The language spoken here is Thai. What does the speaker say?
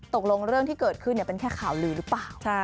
ตกลงเรื่องที่เกิดขึ้นเป็นแค่ข่าวลือหรือเปล่า